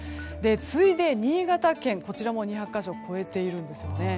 次いで、新潟県こちらも２００か所超えているんですね。